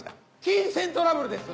金銭トラブルです！